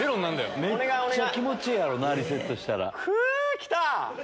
めっちゃ気持ちええやろなリセットしたら。